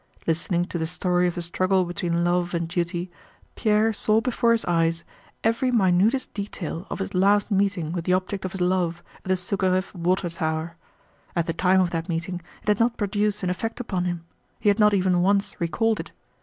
Listening to the story of the struggle between love and duty, Pierre saw before his eyes every minutest detail of his last meeting with the object of his love at the Súkharev water tower. At the time of that meeting it had not produced an effect upon him—he had not even once recalled it.